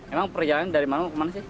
emang perjalanan dari mana ke mana sih